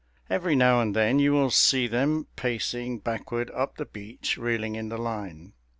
Every now and then you will see them pacing backward up the beach, reeling in the line.